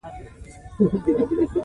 فیل له ونو پاڼې خوري.